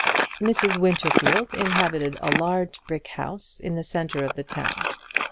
Mrs. Winterfield inhabited a large brick house in the centre of the town.